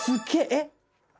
えっ。